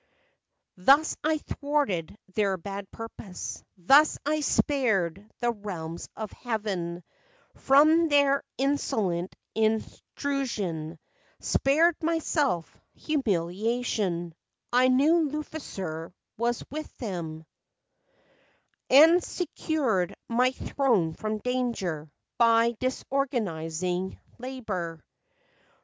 "Thus I thwarted their bad purpose; Thus I spared the realms of heaven From their insolent intrusion, Spared myself humiliation— (I knew Lucifer was with them), And secured my throne from danger By disorganizing labor.